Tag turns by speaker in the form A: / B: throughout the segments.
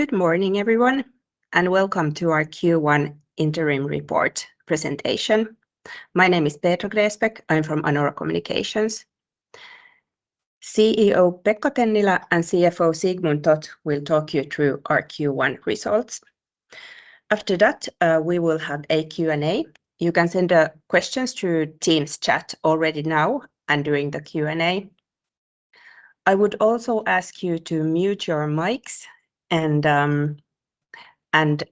A: Good morning everyone, welcome to our Q1 interim report presentation. My name is Petra Gräsbeck. I'm from Anora Communications. CEO Pekka Tennilä and CFO Sigmund Toth will talk you through our Q1 results. After that, we will have a Q&A. You can send questions through Teams chat already now and during the Q&A. I would also ask you to mute your mics and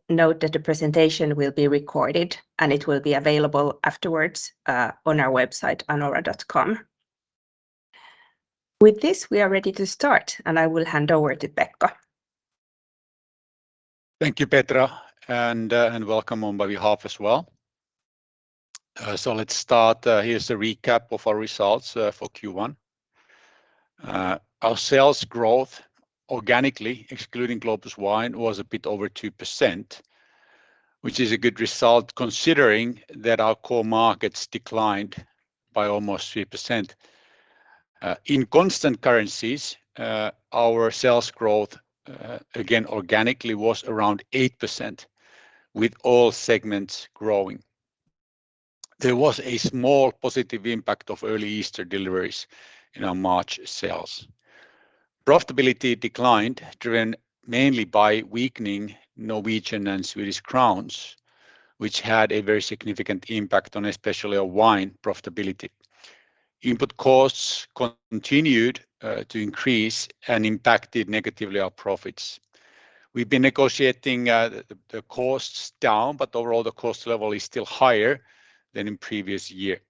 A: note that the presentation will be recorded and it will be available afterwards on our website anora.com. With this, we are ready to start and I will hand over to Pekka.
B: Thank you, Petra, and welcome on my behalf as well. Let's start. Here's a recap of our results for Q1. Our sales growth organically, excluding Globus Wine, was a bit over 2%, which is a good result considering that our core markets declined by almost 3%. In constant currencies, our sales growth, again organically, was around 8% with all segments growing. There was a small positive impact of early Easter deliveries in our March sales. Profitability declined, driven mainly by weakening Norwegian and Swedish crowns, which had a very significant impact on especially our wine profitability. Input costs continued to increase and impacted negatively our profits. We've been negotiating the costs down, but overall, the cost level is still higher than in previous year.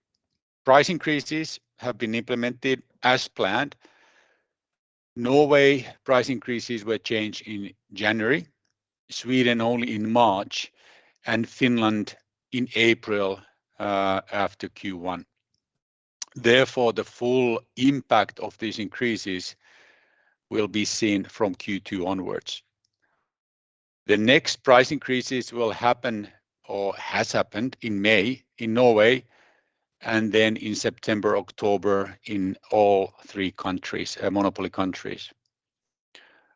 B: Price increases have been implemented as planned. Norway price increases were changed in January, Sweden only in March, and Finland in April after Q1. Therefore, the full impact of these increases will be seen from Q2 onwards. The next price increases will happen or has happened in May in Norway, and then in September, October in all three countries, monopoly countries.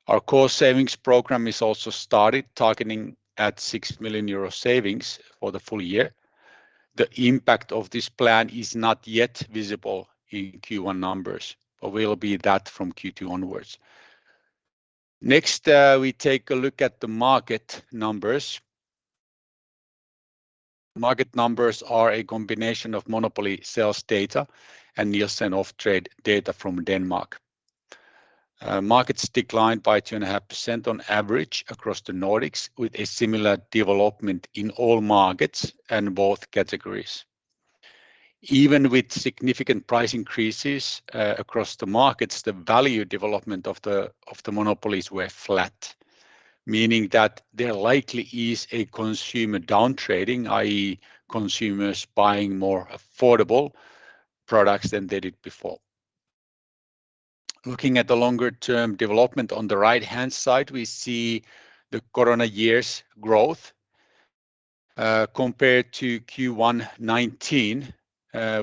B: Our cost savings program is also started, targeting at 6 million euro savings for the full year. The impact of this plan is not yet visible in Q1 numbers, but will be that from Q2 onwards. Next, we take a look at the market numbers. Market numbers are a combination of monopoly sales data and Nielsen off-trade data from Denmark. Markets declined by 2.5% on average across the Nordics, with a similar development in all markets and both categories. Even with significant price increases across the markets, the value development of the monopolies were flat, meaning that there likely is a consumer downtrading, i.e. consumers buying more affordable products than they did before. Looking at the longer-term development on the right-hand side, we see the corona years' growth. Compared to Q1 2019,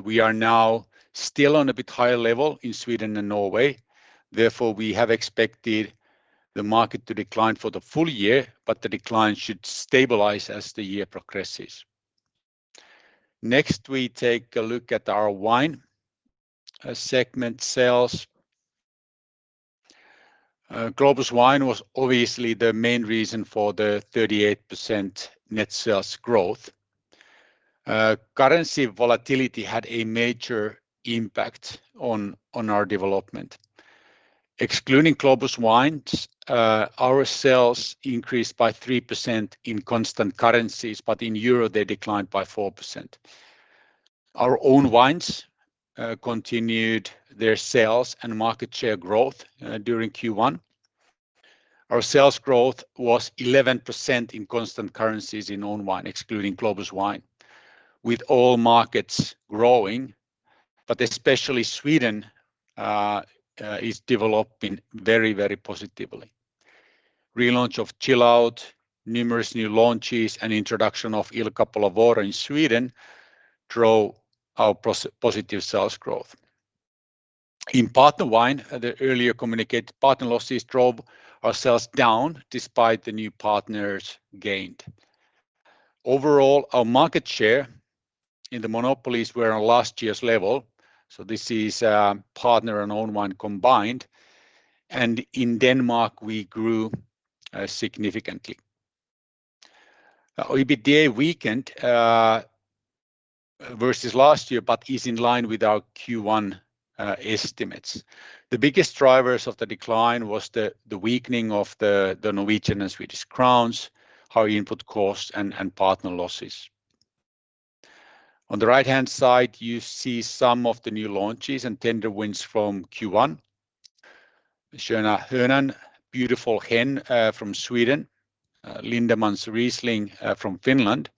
B: we are now still on a bit higher level in Sweden and Norway. Therefore, we have expected the market to decline for the full year, but the decline should stabilize as the year progresses. Next, we take a look at our wine segment sales. Globus Wine was obviously the main reason for the 38% net sales growth. Currency volatility had a major impact on our development. Excluding Globus Wine, our sales increased by 3% in constant currencies, but in euro they declined by 4%. Our own wines continued their sales and market share growth during Q1. Our sales growth was 11% in constant currencies in own wine, excluding Globus Wine, with all markets growing, but especially Sweden is developing very, very positively. Relaunch of Chill Out, numerous new launches, and introduction of Il Capolavoro in Sweden drove our positive sales growth. In partner wine, the earlier communicated partner losses drove our sales down despite the new partners gained. Overall, our market share in the monopolies were on last year's level, so this is partner and own wine combined, and in Denmark, we grew significantly. EBITDA weakened versus last year, but is in line with our Q1 estimates. The biggest drivers of the decline was the weakening of the Norwegian and Swedish crowns, high input costs, and partner losses. On the right-hand side, you see some of the new launches and tender wins from Q1. Sköna Hönan, Beautiful Hen, from Sweden, Lindeman's Riesling, from Finland,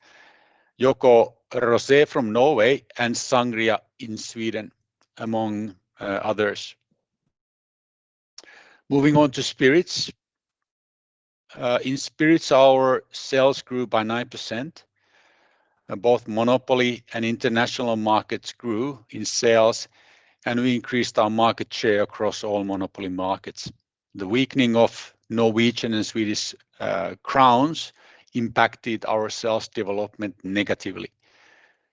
B: YOKO Rosé from Norway, and Sangria in Sweden, among others. Moving on to spirits. In spirits, our sales grew by 9%. Both monopoly and international markets grew in sales, and we increased our market share across all monopoly markets. The weakening of Norwegian and Swedish crowns impacted our sales development negatively.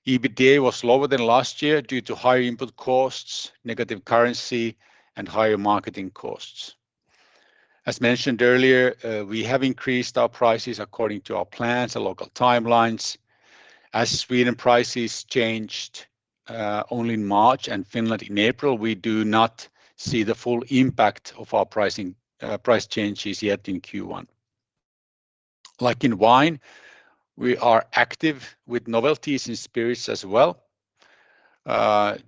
B: EBITDA was lower than last year due to higher input costs, negative currency and higher marketing costs. As mentioned earlier, we have increased our prices according to our plans and local timelines. As Sweden prices changed, only in March and Finland in April, we do not see the full impact of our pricing, price changes yet in Q1. Like in wine, we are active with novelties in spirits as well.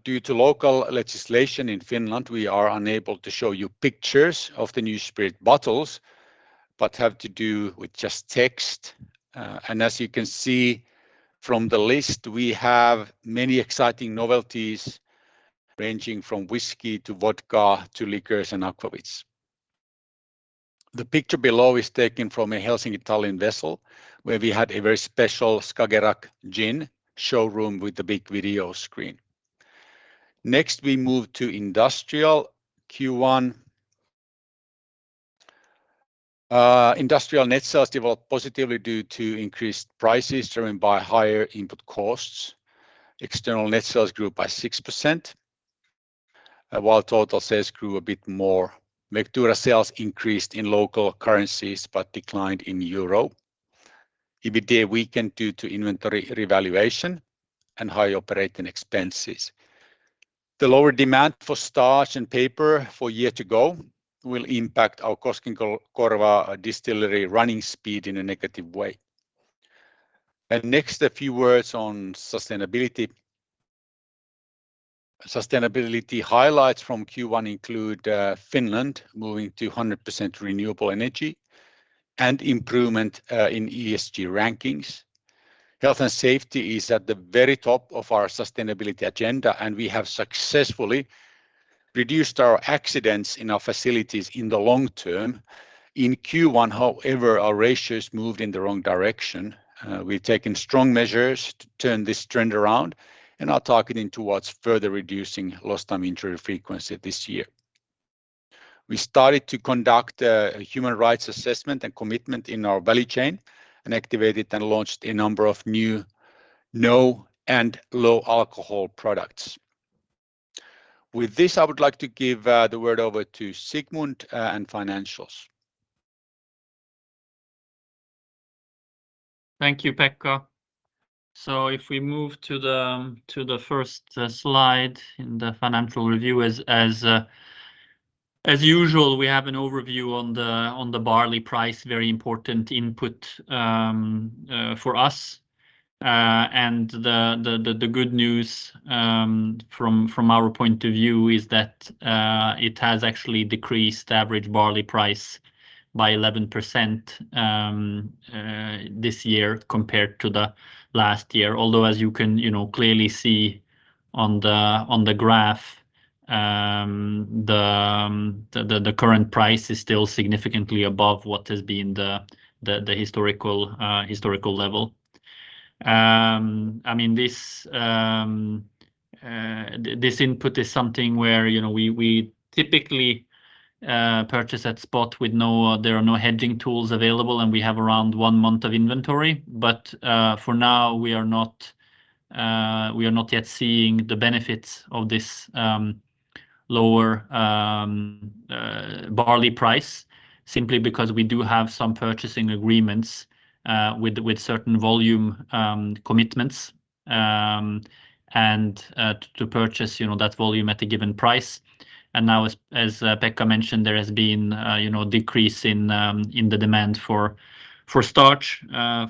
B: Due to local legislation in Finland, we are unable to show you pictures of the new spirit bottles, but have to do with just text. As you can see from the list, we have many exciting novelties ranging from whiskey to vodka to liqueurs and aquavits. The picture below is taken from a Helsinki Tallink vessel, where we had a very special Skagerrak gin showroom with a big video screen. Next, we move to Industrial Q1. Industrial net sales developed positively due to increased prices driven by higher input costs. External net sales grew by 6%, while total sales grew a bit more. Vectura sales increased in local currencies but declined in EUR. EBITDA weakened due to inventory revaluation and high operating expenses. The lower demand for starch and paper for year to go will impact our Koskenkorva distillery running speed in a negative way. Next, a few words on sustainability. Sustainability highlights from Q1 include Finland moving to 100% renewable energy and improvement in ESG rankings. Health and safety is at the very top of our sustainability agenda, and we have successfully reduced our accidents in our facilities in the long term. In Q1, however, our ratios moved in the wrong direction. We've taken strong measures to turn this trend around and are targeting towards further reducing lost time injury frequency this year. We started to conduct a human rights assessment and commitment in our value chain and activated and launched a number of new no and low alcohol products. With this, I would like to give the word over to Sigmund and financials.
C: Thank you, Pekka. If we move to the first slide in the financial review. As usual, we have an overview on the barley price, very important input for us. The good news from our point of view is that it has actually decreased the average barley price by 11% this year compared to the last year. Although as you can, you know, clearly see on the graph, the current price is still significantly above what has been the historical level. I mean this input is something where, you know, we typically purchase at spot with no, there are no hedging tools available, and we have around 1 month of inventory. For now, we are not, we are not yet seeing the benefits of this lower barley price simply because we do have some purchasing agreements with certain volume commitments, and to purchase, you know, that volume at a given price. Now as Pekka mentioned, there has been, you know, decrease in the demand for starch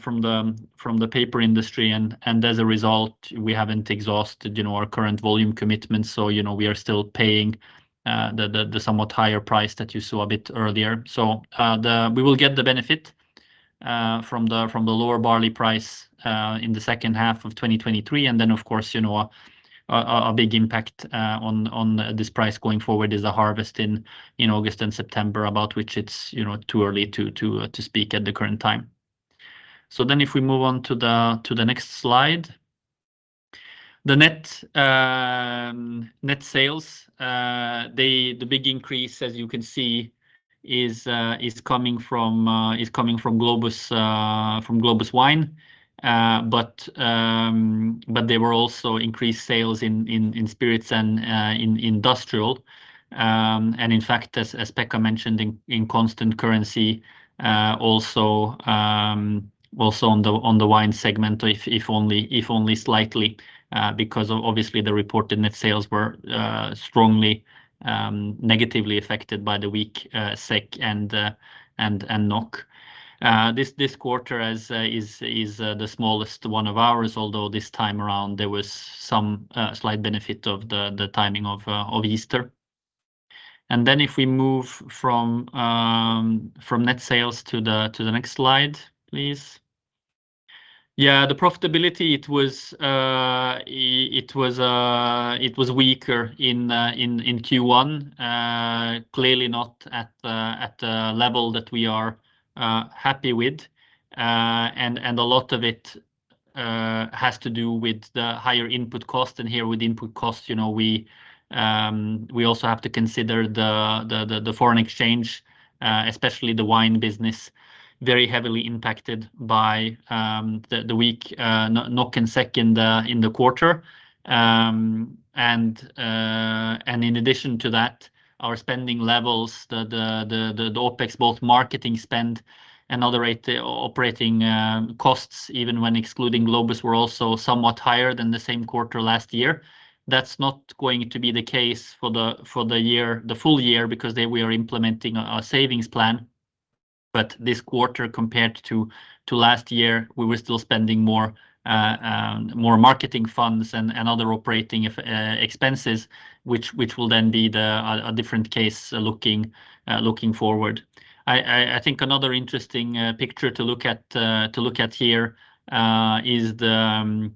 C: from the paper industry and as a result, we haven't exhausted, you know, our current volume commitments. You know, we are still paying the somewhat higher price that you saw a bit earlier. We will get the benefit from the lower barley price in the second half of 2023. Of course, you know, a big impact on this price going forward is the harvest in August and September, about which it's, you know, too early to speak at the current time. If we move on to the next slide. The net net sales, the big increase, as you can see, is coming from Globus Wine. There were also increased sales in spirits and in industrial. In fact, as Pekka mentioned in constant currency, also on the wine segment, if only slightly, because of obviously the reported net sales were strongly negatively affected by the weak SEK and NOK. This quarter as the smallest one of ours, although this time around there was some slight benefit of the timing of Easter. If we move from net sales to the next slide, please. The profitability, it was weaker in Q1, clearly not at the level that we are happy with. A lot of it has to do with the higher input cost. Here with input cost, you know, we also have to consider the foreign exchange, especially the wine business, very heavily impacted by the weak NOK and SEK in the quarter. In addition to that, our spending levels, the OpEx, both marketing spend and other operating costs, even when excluding Globus, were also somewhat higher than the same quarter last year. That's not going to be the case for the year, the full year, because there we are implementing a savings plan. This quarter compared to last year, we were still spending more marketing funds and other operating expenses, which will then be a different case looking forward. I think another interesting picture to look at here is the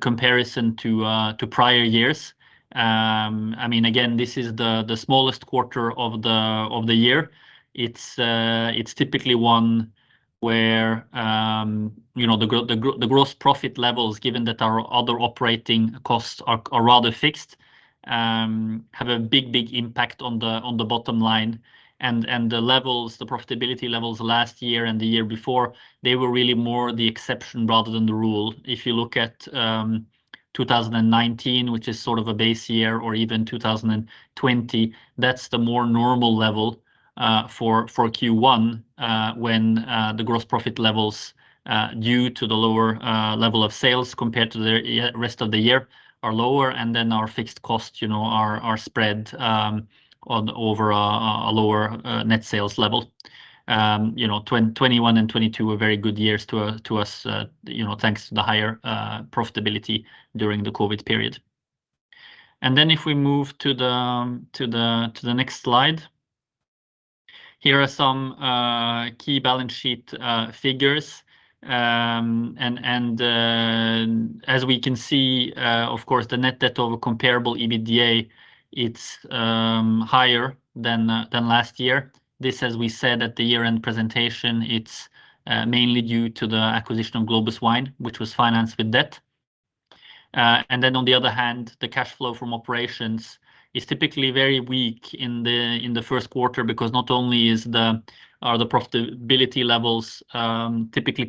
C: comparison to prior years. I mean, again, this is the smallest quarter of the year. It's typically one where, you know, the gross profit levels, given that our other operating costs are rather fixed, have a big impact on the bottom line. The levels, the profitability levels last year and the year before, they were really more the exception rather than the rule. If you look at 2019, which is sort of a base year, or even 2020, that's the more normal level for Q1, when the gross profit levels due to the lower level of sales compared to the rest of the year are lower, and then our fixed costs, you know, are spread over a lower net sales level. You know, 2021 and 2022 were very good years to us, you know, thanks to the higher profitability during the COVID period. If we move to the next slide. Here are some key balance sheet figures. As we can see, of course, the net debt over comparable EBITDA, it's higher than last year. This, as we said at the year-end presentation, it's mainly due to the acquisition of Globus Wine, which was financed with debt. Then on the other hand, the cash flow from operations is typically very weak in the first quarter because not only are the profitability levels typically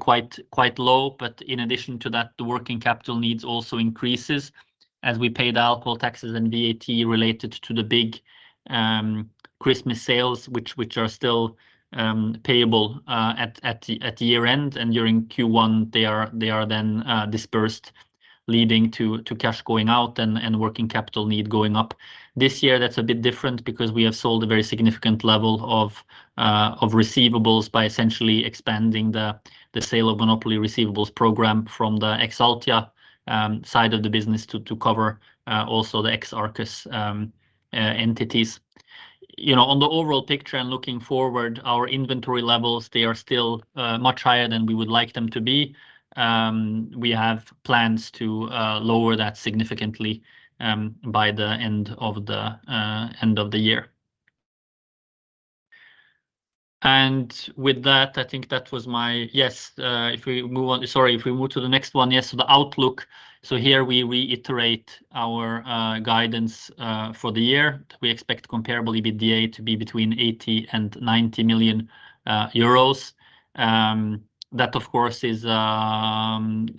C: low, but in addition to that, the working capital needs also increases as we pay the alcohol taxes and VAT related to the big Christmas sales, which are still payable at the year-end. During Q1, they are then dispersed, leading to cash going out and working capital need going up. This year, that's a bit different because we have sold a very significant level of receivables by essentially expanding the sale of monopoly receivables program from the Altia side of the business to cover also the Arcus entities. You know, on the overall picture and looking forward, our inventory levels, they are still much higher than we would like them to be. We have plans to lower that significantly by the end of the end of the year. With that, I think that was my. If we move on. Sorry, if we move to the next one. The outlook. Here we reiterate our guidance for the year. We expect comparable EBITDA to be between 80 million and 90 million euros. That of course is something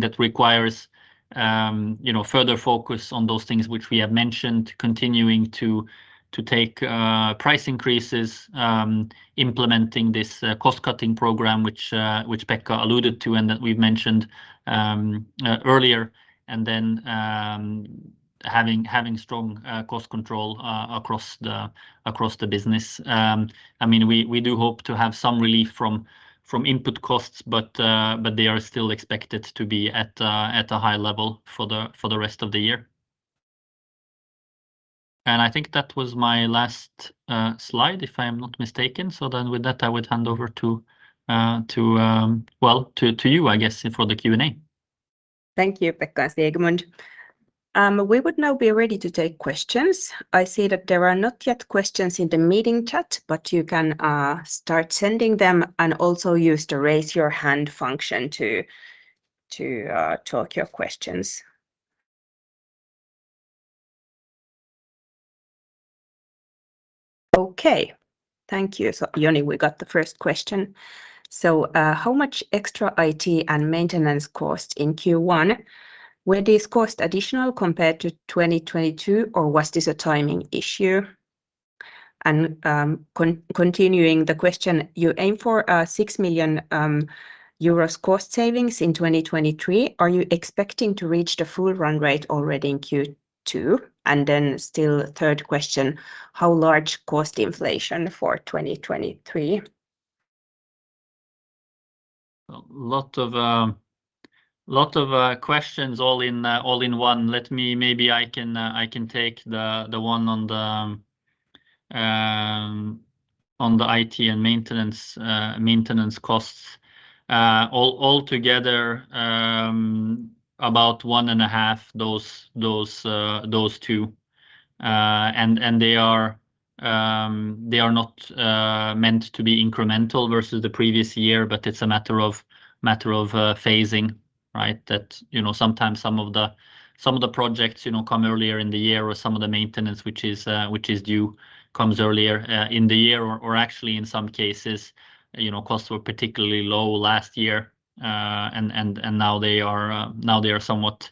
C: that requires, you know, further focus on those things which we have mentioned, continuing to take price increases, implementing this cost-cutting program, which Pekka alluded to and that we've mentioned earlier, and then having strong cost control across the business. I mean, we do hope to have some relief from input costs, but they are still expected to be at a high level for the rest of the year. I think that was my last slide, if I'm not mistaken. With that, I would hand over to, well, to you, I guess, for the Q&A.
A: Thank you, Pekka and Sigmund. We would now be ready to take questions. I see that there are not yet questions in the meeting chat, but you can start sending them and also use the raise your hand function to talk your questions. Okay. Joni, we got the first question. How much extra IT and maintenance cost in Q1? Were these cost additional compared to 2022, or was this a timing issue? Continuing the question, you aim for 6 million euros cost savings in 2023. Are you expecting to reach the full run rate already in Q2? Still third question, how large cost inflation for 2023?
C: A lot of questions all in one. Let me. Maybe I can take the one on the IT and maintenance costs all together, about one and a half those two. They are not meant to be incremental versus the previous year, but it's a matter of phasing, right? Sometimes, you know, some of the projects, you know, come earlier in the year or some of the maintenance which is due comes earlier in the year. Actually in some cases, you know, costs were particularly low last year, and now they are somewhat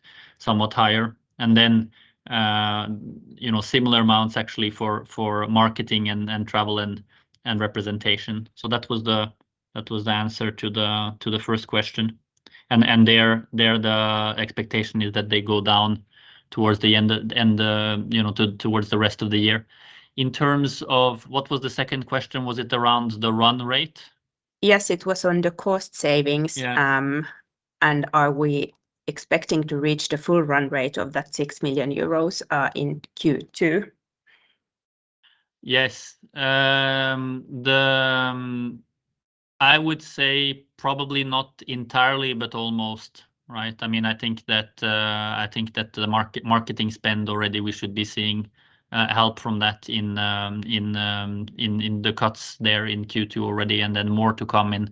C: higher. You know, similar amounts actually for marketing and travel and representation. That was the answer to the first question. There the expectation is that they go down towards the end of, you know, towards the rest of the year. In terms of, what was the second question? Was it around the run rate?
A: Yes. It was on the cost savings-
C: Yeah
A: Are we expecting to reach the full run rate of that 6 million euros in Q2?
C: Yes. The I would say probably not entirely, but almost, right? I mean, I think that, I think that the marketing spend already we should be seeing, help from that in the cuts there in Q2 already and then more to come in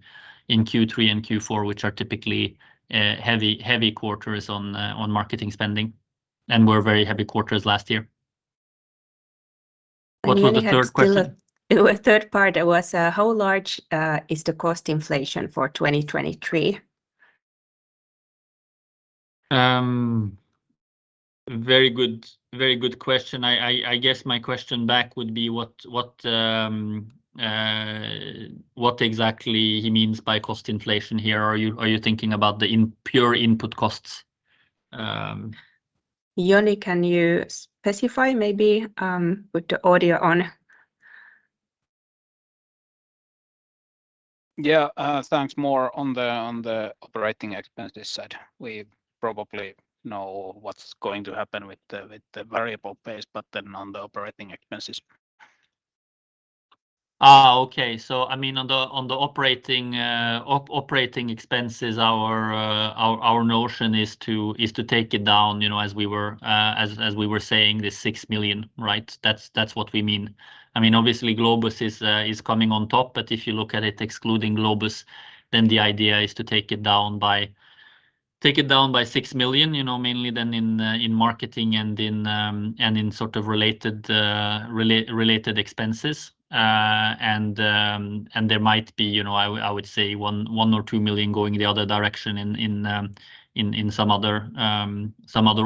C: Q3 and Q4, which are typically heavy quarters on marketing spending, and were very heavy quarters last year. What was the third question?
A: You had still a, you a third part that was, how large, is the cost inflation for 2023?
C: Very good question. I guess my question back would be what exactly he means by cost inflation here. Are you thinking about the pure input costs?
A: Joni, can you specify maybe, with the audio on?
D: Thanks. More on the, on the operating expenses side. We probably know what's going to happen with the, with the variable base, but then on the operating expenses.
C: Okay. I mean on the operating OpEx, our notion is to take it down, you know, as we were saying, this 6 million, right? That's what we mean. I mean, obviously, Globus is coming on top, if you look at it excluding Globus, the idea is to take it down by 6 million, you know, mainly then in marketing and in sort of related expenses. There might be, you know, I would say 1 or 2 million going the other direction in some other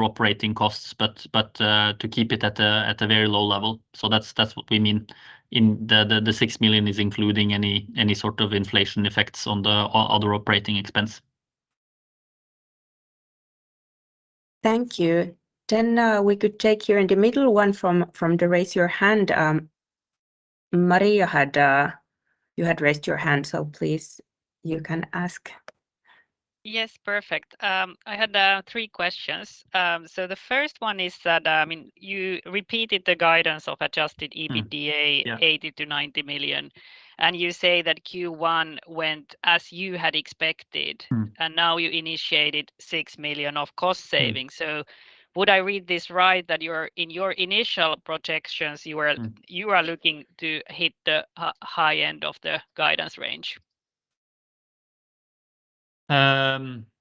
C: OpEx, to keep it at a very low level. That's what we mean. In the 6 million is including any sort of inflation effects on the other operating expense.
A: Thank you. We could take here in the middle one from the raise your hand. Maria, you had raised your hand, so please you can ask.
E: Yes. Perfect. I had three questions. The first one is that, I mean, you repeated the guidance of adjusted EBITDA-
C: Yeah...
E: 80 million-90 million, and you say that Q1 went as you had expected.
C: Mm.
E: now you initiated 6 million of cost savings.
C: Mm.
E: Would I read this right, that your, in your initial projections?
C: Mm...
E: you are looking to hit the high end of the guidance range?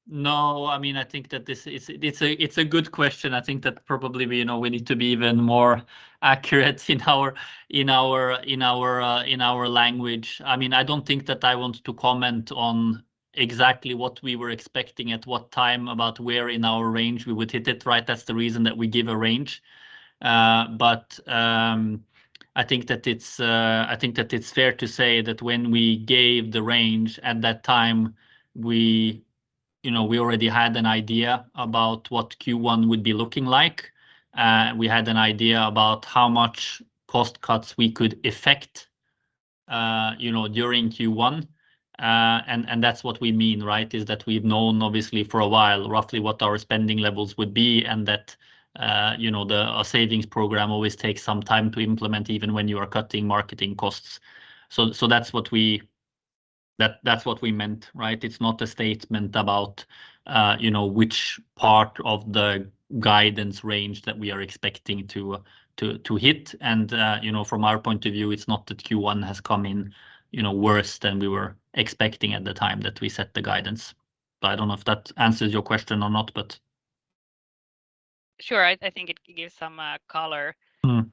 C: No. I mean, I think that this is. It's a good question. I think that probably we, you know, we need to be even more accurate in our language. I mean, I don't think that I want to comment on exactly what we were expecting at what time about where in our range we would hit it, right? That's the reason that we give a range. I think that it's fair to say that when we gave the range at that time, we, you know, we already had an idea about what Q1 would be looking like. We had an idea about how much cost cuts we could effect, you know, during Q1. That's what we mean, right? Is that we've known obviously for a while roughly what our spending levels would be and that, you know, our savings program always takes some time to implement, even when you are cutting marketing costs. So that's what we meant, right? It's not a statement about, you know, which part of the guidance range that we are expecting to hit. You know, from our point of view, it's not that Q1 has come in, you know, worse than we were expecting at the time that we set the guidance. I don't know if that answers your question or not.
E: Sure. I think it gives some color.
C: Mm.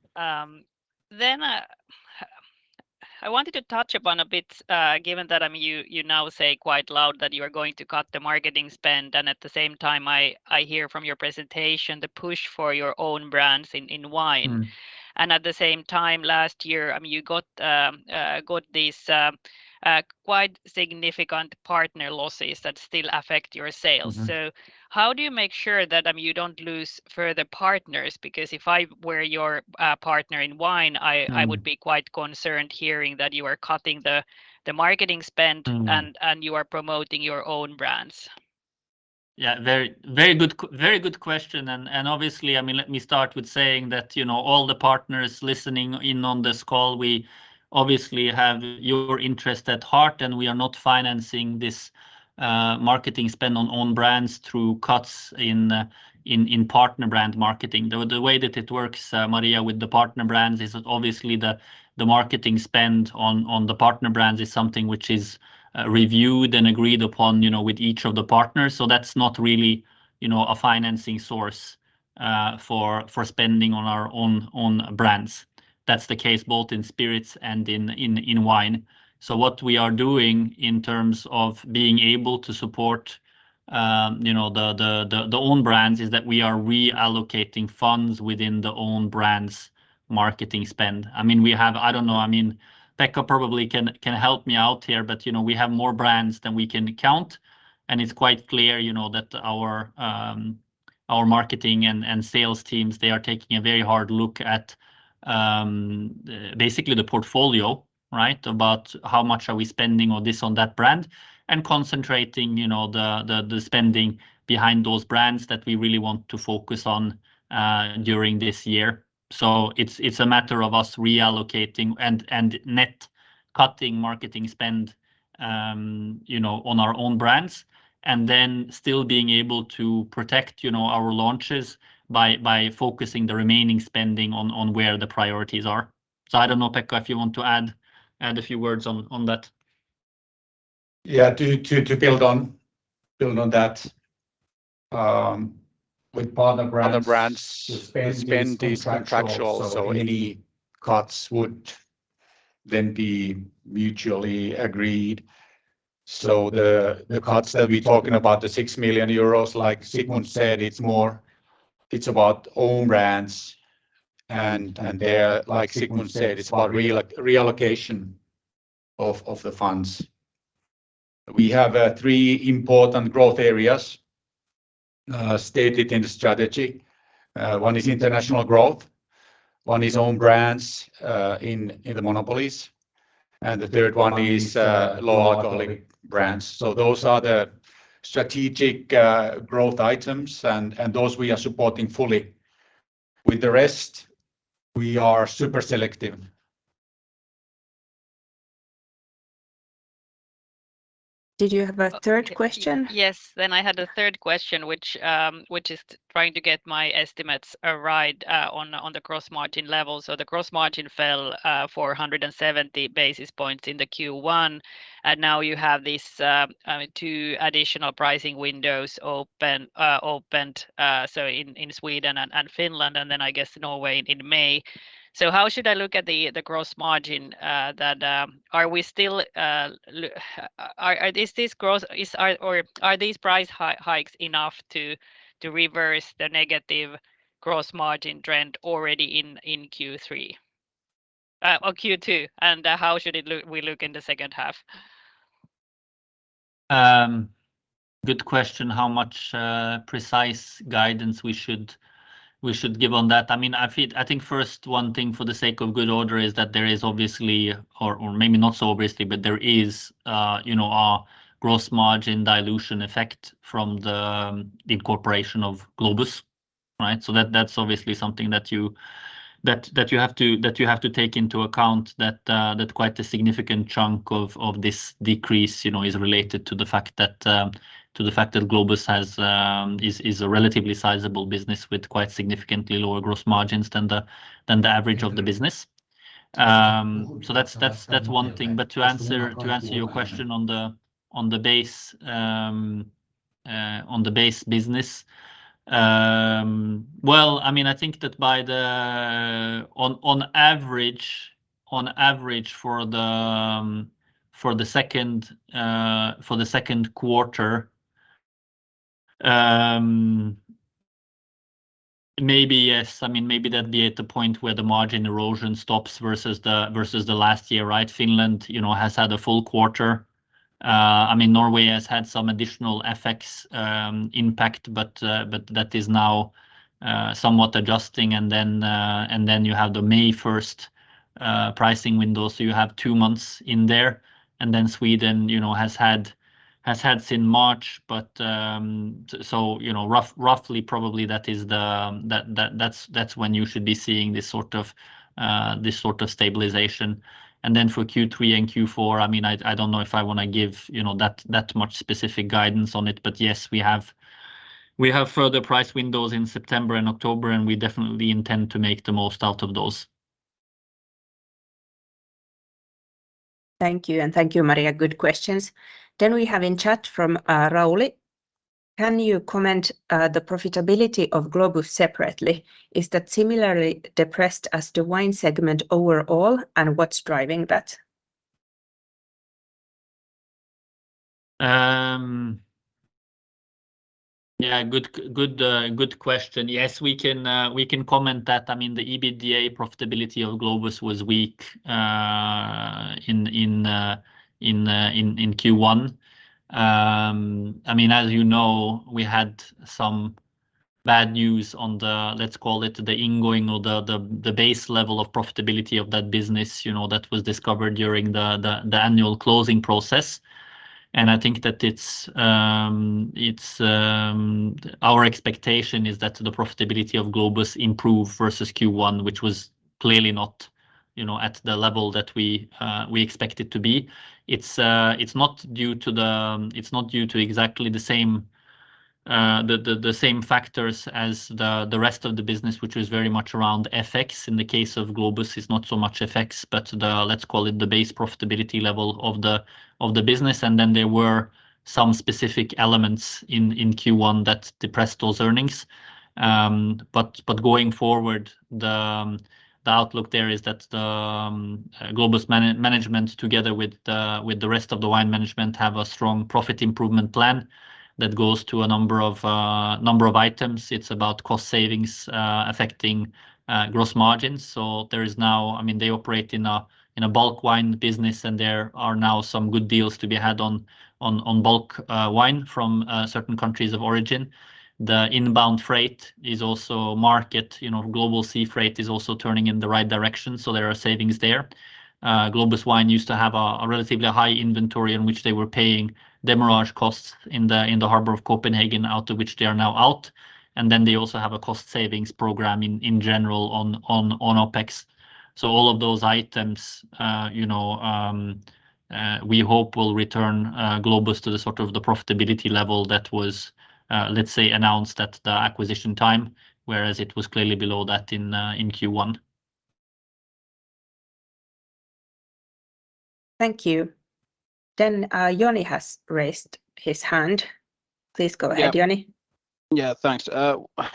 E: I wanted to touch upon a bit, given that, you now say quite loud that you are going to cut the marketing spend, at the same time I hear from your presentation the push for your own brands in wine.
C: Mm.
E: At the same time last year, I mean, you got these quite significant partner losses that still affect your sales.
C: Mm.
E: how do you make sure that, I mean, you don't lose further partners? Because if I were your, partner in wine-
C: Mm
E: I would be quite concerned hearing that you are cutting the marketing spend.
C: Mm
E: and you are promoting your own brands.
C: Yeah, very good question. Obviously, I mean, let me start with saying that, you know, all the partners listening in on this call, we obviously have your interest at heart, and we are not financing this marketing spend on own brands through cuts in partner brand marketing. The way that it works, Maria, with the partner brands is obviously the marketing spend on the partner brands is something which is reviewed and agreed upon, you know, with each of the partners. That's not really, you know, a financing source for spending on our own brands. That's the case both in spirits and in wine. What we are doing in terms of being able to support, you know, the own brands is that we are reallocating funds within the own brands marketing spend. I mean, we have... I don't know. I mean, Pekka probably can help me out here, but, you know, we have more brands than we can count, and it's quite clear, you know, that our marketing and sales teams, they are taking a very hard look at basically the portfolio, right? About how much are we spending on this, on that brand, and concentrating, you know, the spending behind those brands that we really want to focus on during this year. It's a matter of us reallocating and net cutting marketing spend, you know, on our own brands, and then still being able to protect, you know, our launches by focusing the remaining spending on where the priorities are. I don't know, Pekka, if you want to add a few words on that.
B: Yeah. To build on that, with partner brands-
C: Partner brands
B: The spend is contractual. Any cuts would then be mutually agreed. The cuts that we're talking about, the 6 million euros, like Sigmund said, it's about own brands, and they're, like Sigmund said, it's about reallocation of the funds. We have three important growth areas stated in the strategy. One is international growth, one is own brands in the monopolies, and the third one is low alcoholic brands. Those are the strategic growth items, and those we are supporting fully. With the rest, we are super selective.
A: Did you have a third question?
E: Yes. I had a third question, which is trying to get my estimates right, on the gross margin levels. The gross margin fell, 470 basis points in the Q1, and now you have these, I mean, two additional pricing windows open, opened, so in Sweden and Finland, and then I guess Norway in May. How should I look at the gross margin that? Are these price hikes enough to reverse the negative gross margin trend already in Q3, or Q2? How should it look, we look in the second half?
C: Good question. How much precise guidance we should give on that? I mean, I feel, I think first one thing for the sake of good order is that there is obviously, or maybe not so obviously, but there is, you know, a gross margin dilution effect from the incorporation of Globus, right? That's obviously something that you have to take into account, that quite a significant chunk of this decrease, you know, is related to the fact that to the fact that Globus has is a relatively sizable business with quite significantly lower gross margins than the average of the business. That's one thing. To answer your question on the base business, well, I mean, I think that on average for the 2nd quarter, maybe, yes. I mean, maybe that'd be at the point where the margin erosion stops versus the last year, right? Finland, you know, has had a full quarter. I mean, Norway has had some additional FX impact, but that is now somewhat adjusting. Then you have the May 1st pricing window. You have 2 months in there. Sweden, you know, has had since March, but, so, you know, roughly probably that is the, that's when you should be seeing this sort of stabilization. For Q3 and Q4, I mean, I don't know if I wanna give, you know, that much specific guidance on it. Yes, we have further price windows in September and October, and we definitely intend to make the most out of those.
A: Thank you, and thank you, Maria. Good questions. We have in chat from Rauli, "Can you comment the profitability of Globus separately? Is that similarly depressed as the wine segment overall, and what's driving that?
C: Yeah. Good, good question. Yes, we can comment that. I mean, the EBITDA profitability of Globus was weak in Q1. I mean, as you know, we had bad news on the, let's call it, the ingoing or the base level of profitability of that business, you know, that was discovered during the annual closing process. I think that it's. Our expectation is that the profitability of Globus improve versus Q1, which was clearly not, you know, at the level that we expect it to be. It's not due to the. It's not due to exactly the same factors as the rest of the business, which was very much around FX. In the case of Globus Wine, it's not so much FX, but the, let's call it, the base profitability level of the business, then there were some specific elements in Q1 that depressed those earnings. But going forward, the outlook there is that the Globus Wine management together with the rest of the wine management have a strong profit improvement plan that goes to a number of items. It's about cost savings affecting gross margins. There is now, I mean, they operate in a bulk wine business, there are now some good deals to be had on bulk wine from certain countries of origin. The inbound freight is also market. You know, global sea freight is also turning in the right direction, there are savings there. Globus Wine used to have a relatively high inventory in which they were paying demurrage costs in the, in the harbor of Copenhagen out of which they are now out, and then they also have a cost savings program in general on OpEx. All of those items, you know, we hope will return Globus to the sort of the profitability level that was, let's say, announced at the acquisition time, whereas it was clearly below that in Q1.
A: Thank you. Joni has raised his hand. Please go ahead, Joni.
D: Yeah. Yeah, thanks.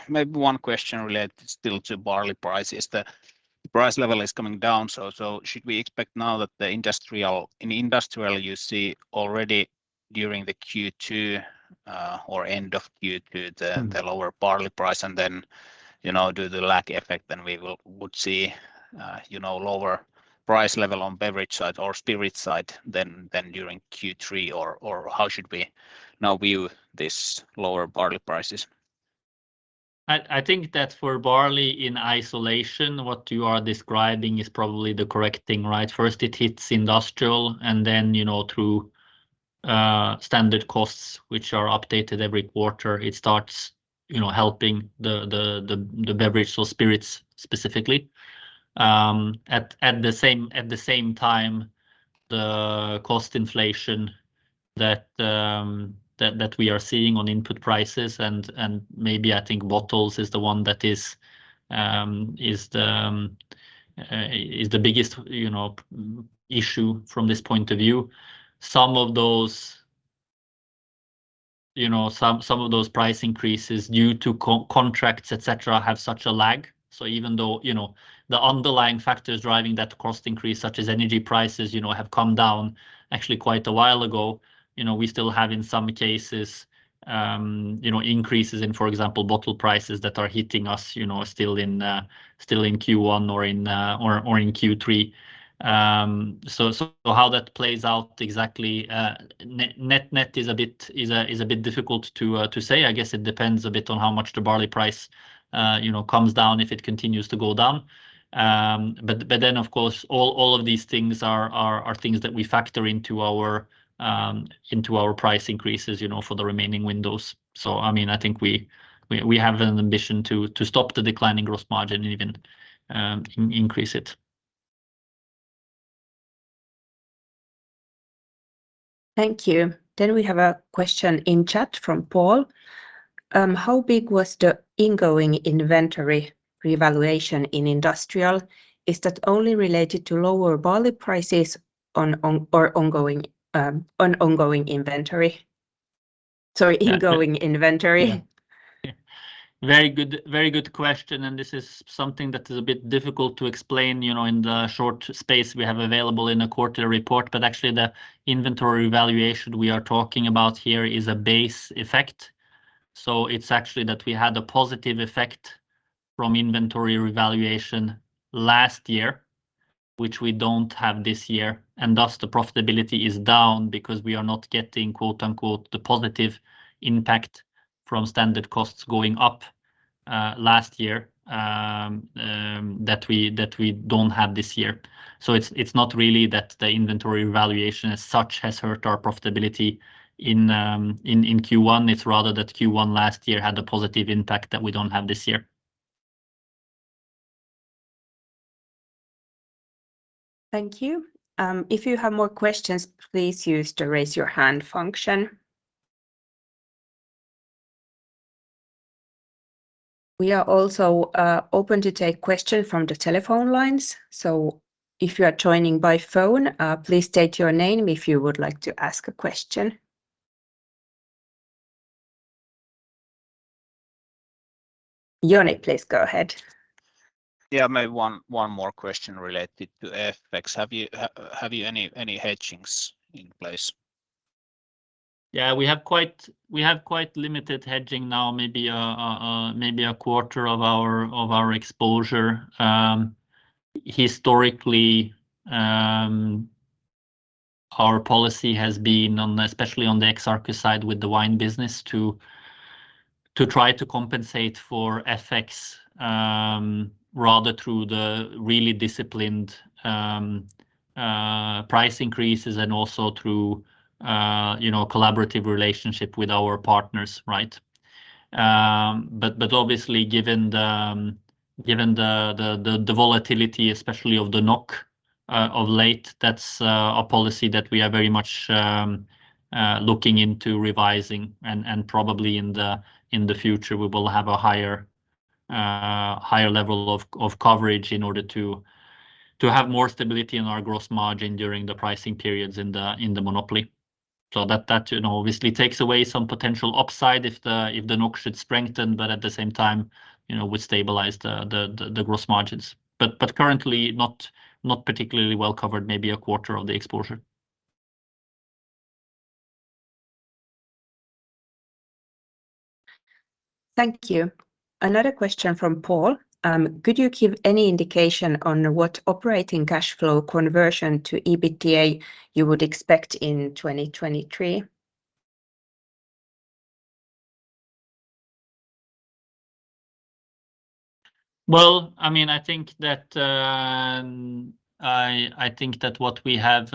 D: Maybe one question related still to barley prices. The price level is coming down, so should we expect now that in industrial you see already during the Q2 or end of Q2?
C: Mm...
D: the lower barley price and then, you know, due to lag effect then we would see, you know, lower price level on beverage side or spirit side than during Q3 or how should we now view this lower barley prices?
C: I think that for barley in isolation, what you are describing is probably the correct thing, right? First it hits industrial and then, you know, through standard costs which are updated every quarter, it starts, you know, helping the beverage or spirits specifically. At the same time the cost inflation that we are seeing on input prices and maybe I think bottles is the one that is the biggest, you know, issue from this point of view. Some of those... You know, some of those price increases due to co- contracts, et cetera, have such a lag, so even though, you know, the underlying factors driving that cost increase such as energy prices, you know, have come down actually quite a while ago, you know, we still have in some cases, you know, increases in, for example, bottle prices that are hitting us, you know, still in Q1 or in Q3. So how that plays out exactly, net-net is a bit difficult to say. I guess it depends a bit on how much the barley price, you know, comes down if it continues to go down. Of course all of these things are things that we factor into our into our price increases, you know, for the remaining windows. I mean, I think we have an ambition to stop the declining gross margin and even increase it.
A: Thank you. We have a question in chat from Paul. How big was the ingoing inventory revaluation in industrial? Is that only related to lower barley prices or ingoing inventory?
C: Yeah. Yeah. Very good, very good question. This is something that is a bit difficult to explain, you know, in the short space we have available in a quarterly report. Actually the inventory valuation we are talking about here is a base effect, so it's actually that we had a positive effect from inventory revaluation last year, which we don't have this year. Thus the profitability is down because we are not getting, quote unquote, the positive impact from standard costs going up, last year that we don't have this year. It's not really that the inventory valuation as such has hurt our profitability in Q1. It's rather that Q1 last year had a positive impact that we don't have this year.
A: Thank you. If you have more questions, please use the raise your hand function. We are also open to take question from the telephone lines, so if you are joining by phone, please state your name if you would like to ask a question. Joni, please go ahead.
D: Yeah, maybe one more question related to FX. Have you any hedgings in place?
C: We have quite limited hedging now, maybe a quarter of our exposure. Historically, Our policy has been on, especially on the Arcus side with the wine business to try to compensate for FX, rather through the really disciplined price increases and also through, you know, collaborative relationship with our partners, right? But obviously given the volatility especially of the NOK of late, that's a policy that we are very much looking into revising and probably in the future we will have a higher level of coverage in order to have more stability in our gross margin during the pricing periods in the monopoly. That, you know, obviously takes away some potential upside if the, if the NOK should strengthen. At the same time, you know, we stabilize the gross margins. Currently not particularly well-covered, maybe a quarter of the exposure.
A: Thank you. Another question from Paul. Could you give any indication on what operating cashflow conversion to EBITDA you would expect in 2023?
C: Well, I mean, I think that I think that what we have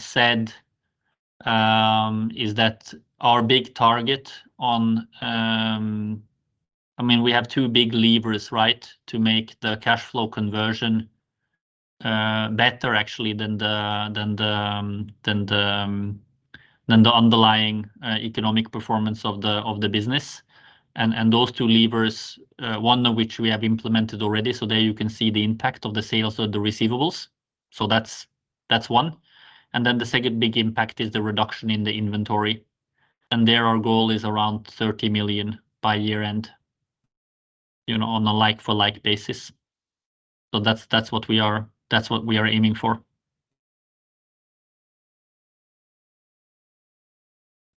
C: said is that our big target on... I mean, we have two big levers, right, to make the cashflow conversion better actually than the underlying economic performance of the business. Those two levers, one of which we have implemented already, so there you can see the impact of the sales or the receivables. So that's one. Then the second big impact is the reduction in the inventory, and there our goal is around 30 million by year-end, you know, on a like for like basis. So that's what we are aiming for.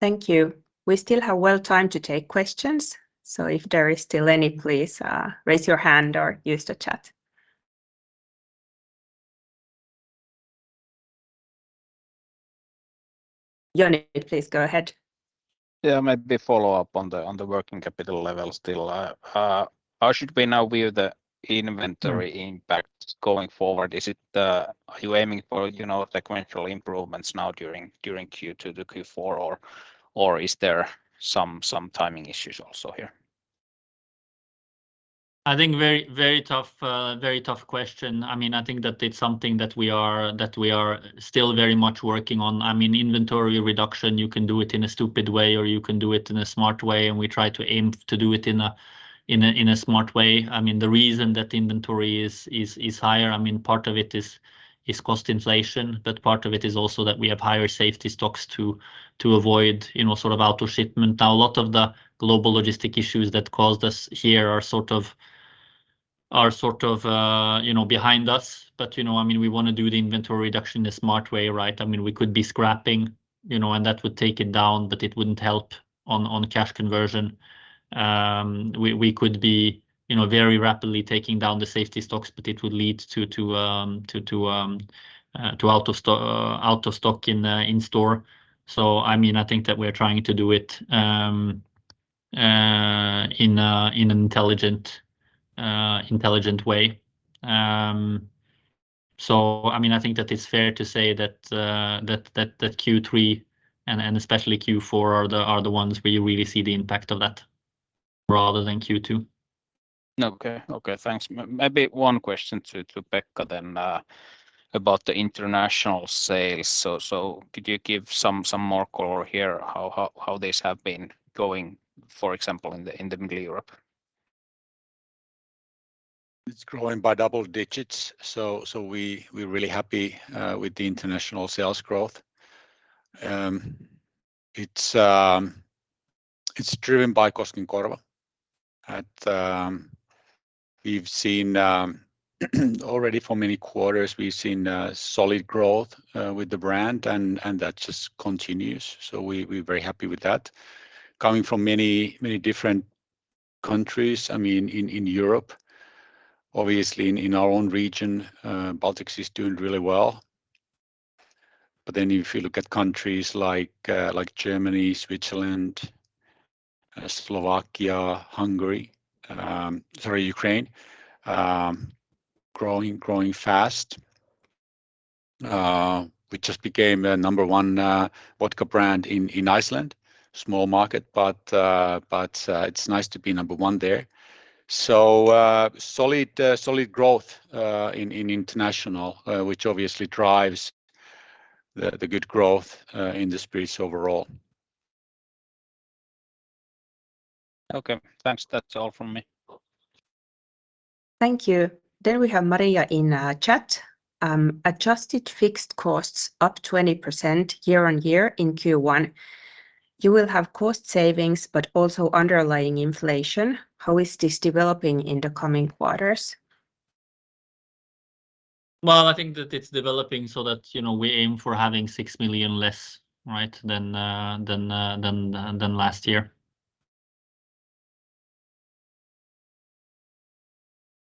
A: Thank you. We still have well time to take questions. If there is still any, please raise your hand or use the chat. Joni, please go ahead.
D: Yeah, maybe follow up on the, on the working capital level still. How should we now view the inventory impact going forward? Are you aiming for, you know, sequential improvements now during Q2 to Q4, or is there some timing issues also here?
C: I think very, very tough, very tough question. I mean, I think that it's something that we are still very much working on. I mean, inventory reduction, you can do it in a stupid way, or you can do it in a smart way, and we try to aim to do it in a smart way. I mean, the reason that inventory is higher, I mean, part of it is cost inflation, but part of it is also that we have higher safety stocks to avoid, you know, sort of out of shipment. A lot of the global logistic issues that caused us here are sort of, you know, behind us. You know, I mean, we wanna do the inventory reduction the smart way, right? I mean, we could be scrapping, you know, and that would take it down, but it wouldn't help on cash conversion. We could be, you know, very rapidly taking down the safety stocks, but it would lead to out of stock in store. I mean, I think that we're trying to do it in an intelligent way. I mean, I think that it's fair to say that Q3 and especially Q4 are the ones where you really see the impact of that rather than Q2.
E: Okay, thanks. Maybe one question to Pekka then about the international sales. Could you give some more color here, how this have been going, for example, in the Middle Europe?
B: It's growing by double digits. We're really happy with the international sales growth. It's driven by Koskenkorva. We've seen already for many quarters, we've seen solid growth with the brand and that just continues. We're very happy with that. Coming from many different countries, I mean, in Europe, obviously in our own region, Baltics is doing really well. If you look at countries like Germany, Switzerland, Slovakia, Hungary, sorry Ukraine, growing fast. We just became the number one vodka brand in Iceland. Small market, but it's nice to be number one there. Solid growth in international, which obviously drives the good growth in the spirits overall.
E: Okay, thanks. That's all from me.
A: Thank you. We have Maria in chat. Adjusted fixed costs up 20% year-on-year in Q1. You will have cost savings, but also underlying inflation. How is this developing in the coming quarters?
C: I think that it's developing so that, you know, we aim for having 6 million less, right, than last year.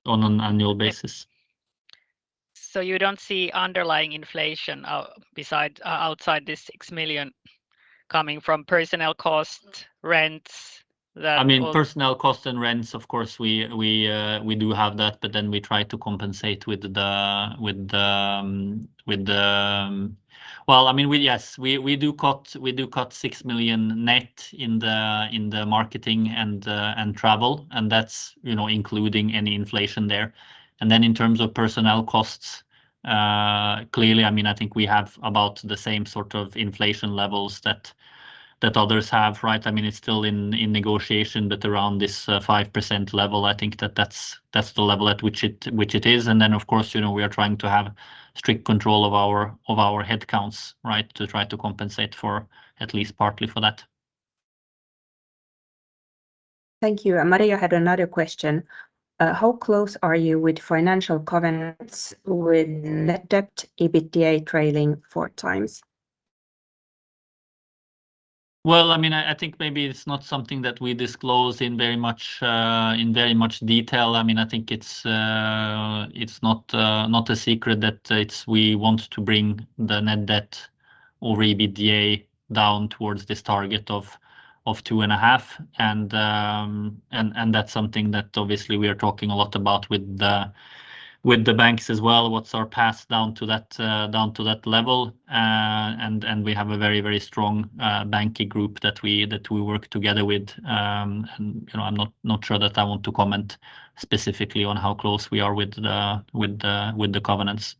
C: On an annual basis.
A: You don't see underlying inflation, outside this 6 million coming from personnel cost, rents.
C: I mean, personnel cost and rents, of course, we do have that, but then we try to compensate with the... Well, I mean, we... Yes, we do cut 6 million net in the marketing and travel, and that's, you know, including any inflation there. In terms of personnel costs, clearly, I mean, I think we have about the same sort of inflation levels that others have, right? I mean, it's still in negotiation, but around this 5% level, I think that's the level at which it is. Of course, you know, we are trying to have strict control of our headcounts, right, to try to compensate for at least partly for that.
A: Thank you. Maria had another question. How close are you with financial covenants with net debt EBITDA trailing four times?
C: I mean, I think maybe it's not something that we disclose in very much detail. I mean, I think it's not a secret that it's we want to bring the net debt or EBITDA down towards this target of 2.5. That's something that obviously we are talking a lot about with the banks as well, what's our path down to that level. We have a very, very strong banking group that we work together with. I'm not sure that I want to comment specifically on how close we are with the covenants.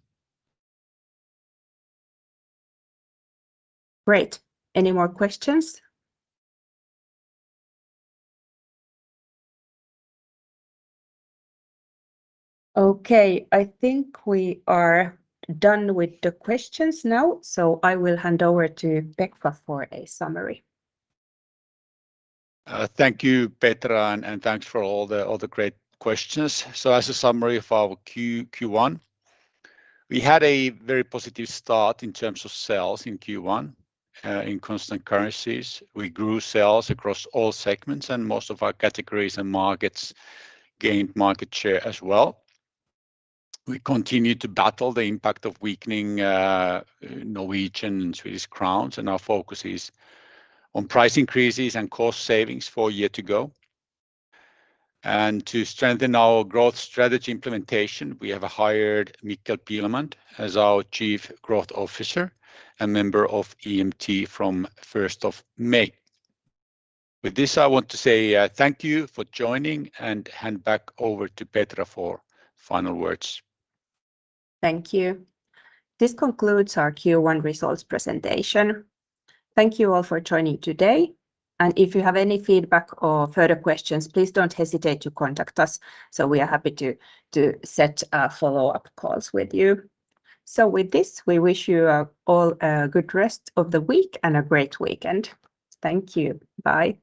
A: Great. Any more questions? I think we are done with the questions now. I will hand over to Pekka for a summary.
B: Thank you, Petra, and thanks for all the great questions. As a summary of our Q1, we had a very positive start in terms of sales in Q1. In constant currencies, we grew sales across all segments, and most of our categories and markets gained market share as well. We continue to battle the impact of weakening Norwegian and Swedish crowns, and our focus is on price increases and cost savings for year to go. To strengthen our growth strategy implementation, we have hired Mikkel Pilemand as our Chief Growth Officer and member of EMT from first of May. With this, I want to say, thank you for joining and hand back over to Petra for final words.
A: Thank you. This concludes our Q1 results presentation. Thank you all for joining today. If you have any feedback or further questions, please don't hesitate to contact us, so we are happy to set follow-up calls with you. With this, we wish you all a good rest of the week and a great weekend. Thank you. Bye.